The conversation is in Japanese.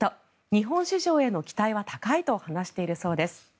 日本市場への期待は高いと話しているそうです。